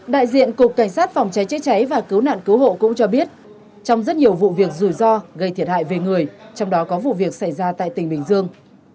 đại diện cục cảnh sát phòng cháy chế cháy và cứu nạn cứu hộ cũng cho biết trong rất nhiều vụ việc rủi ro gây thiệt hại về người trong đó có vụ việc xảy ra tại tỉnh bình dương